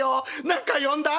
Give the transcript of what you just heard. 何か呼んだ？」。